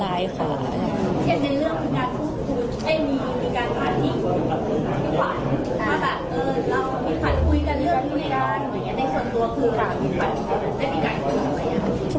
ในส่วนตัวคือการพี่ขวัญไม่มีการพูดพี่ขวัญ